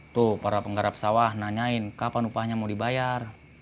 tuh para penggarap sawah nanyain kapan upahnya mau dibayar